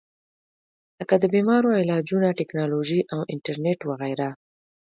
لکه د بيمارو علاجونه ، ټېکنالوجي او انټرنيټ وغېره